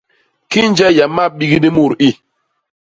Kinje yama bigdi mut i!